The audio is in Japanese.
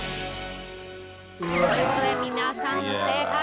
という事で皆さん不正解。